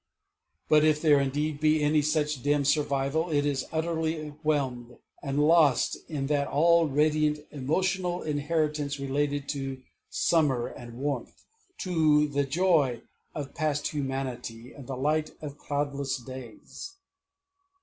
But if there indeed be any such dim survival, it is utterly whelmed and lost in that all radiant emotional inheritance related to Summer and Warmth, to the joy of past humanity in the light of cloudless days.